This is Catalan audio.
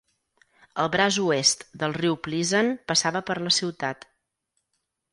El braç oest del riu Pleasant passava per la ciutat.